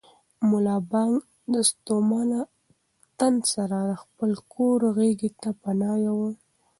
ملا بانګ د ستومانه تن سره د خپل کور غېږې ته پناه یووړه.